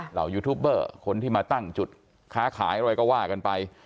เหล่ายูทูบเบอร์คนที่มาตั้งจุดค้าขายอะไรก็ว่ากันไป